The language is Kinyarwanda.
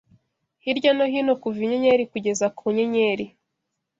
hirya no hino kuva inyenyeri kugeza ku nyenyeri